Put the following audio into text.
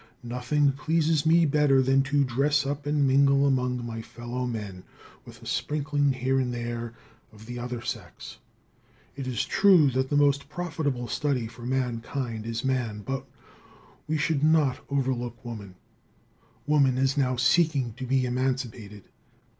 Nothing pleases me better than to dress up and mingle among my fellow men, with a sprinkling here and there of the other sex. It is true that the most profitable study for mankind is man, but we should not overlook woman. Woman is now seeking to be emancipated.